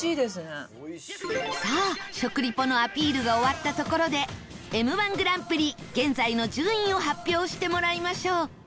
さあ食リポのアピールが終わったところで Ｍ−１ グランプリ現在の順位を発表してもらいましょう